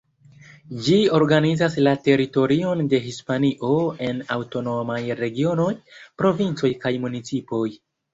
Ĝi organizas la teritorion de Hispanio en aŭtonomaj regionoj, provincoj kaj municipoj.